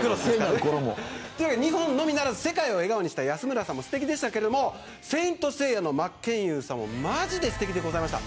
日本のみならず世界を笑顔にした安村さんもすてきでしたけれども聖闘士星矢の真剣佑さんもまじですてきでした。